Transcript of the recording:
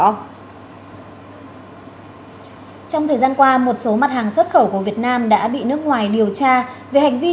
trong thời gian qua một số mặt hàng xuất khẩu của việt nam đã bị nước ngoài điều tra về hành vi